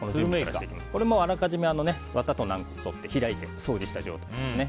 これはあらかじめワタと軟骨を取って開いて、掃除した状態ですね。